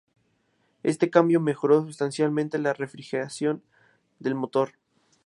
Este cambio mejoró sustancialmente la refrigeración del motor.